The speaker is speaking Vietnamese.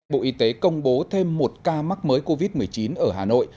bộ y tế công bố thêm một ca mắc mới covid một mươi chín ở hà nội